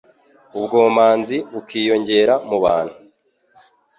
ubwomanzi bukiyongera mu bantu